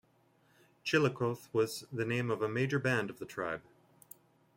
"Chillicothe" was also the name of a major band of the tribe.